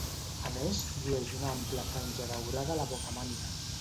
A més llueix una ampla franja daurada a la bocamàniga.